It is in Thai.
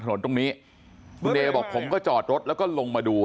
ถนนตรงนี้คุณเอบอกผมก็จอดรถแล้วก็ลงมาดู